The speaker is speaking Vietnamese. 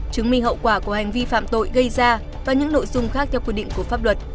chứng minh hậu quả của hành vi phạm tội gây ra và những nội dung khác theo quy định của pháp luật